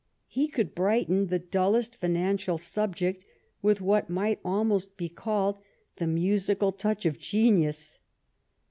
He could brighten the dullest financial subject with what might almost be called the musical touch of genius.